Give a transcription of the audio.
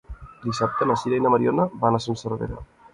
Dissabte na Sira i na Mariona van a Son Servera.